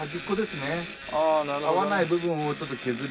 合わない部分をちょっと削り。